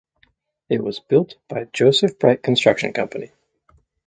It was built by Joseph Bright Construction Co.